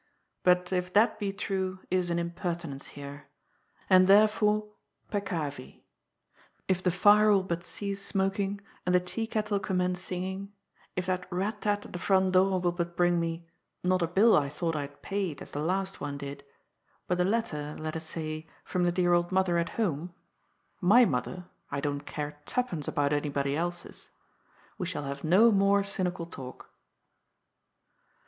But if that be true, it is an impertinence here. And therefore peccavi. If the fire will but cease smoking, and the tea kettle commence singing, if that rat tat at the front door will but bring me — ^not a bill I thought I had paid, as the last one did — ^but a letter, let us say, from the dear old mother at home ^iy mother — I don't care tuppence about anybody else's — we shall have no more cynical talk.